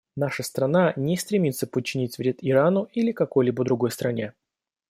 Наша страна не стремится причинить вред Ирану или какой-либо другой стране.